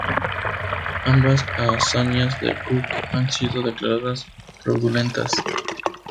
Ambas hazañas de Cook han sido declaradas fraudulentas.